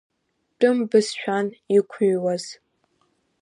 Тәым бызшәан иқәыҩуаз…